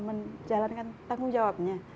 menjalankan tanggung jawabnya